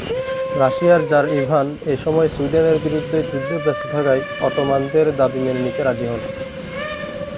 রাশিয়ার tsar Ivan এসময় সুইডেনের বিরুদ্ধে যুদ্ধে ব্যস্ত থাকায় অটোমানদের দাবি মেনে নিতে রাজি হন।